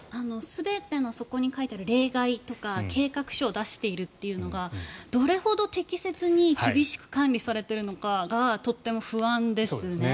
そこに書いてある全ての例外とか計画書を出しているというのがどれほど適切に厳しく管理されているのかがとっても不安ですね。